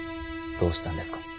どうしたんですか。